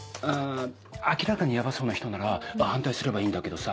明らかにヤバそうな人なら反対すればいいんだけどさ